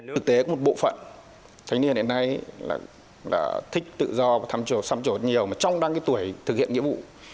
thực tế có một bộ phận thanh niên đến nay là thích tự do và tham chủ nhiều trong đăng tuổi thực hiện nhiệm vụ